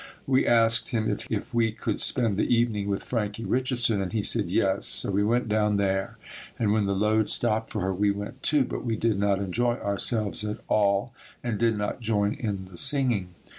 We asked him if we could spend the evening with Frankie Richardson and he said yes, so we went down there and when the load stopped for her, we went too, but we did not enjoy ourselves at all and did not join in the singing.